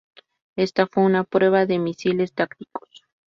Esta fue una prueba de misiles tácticos.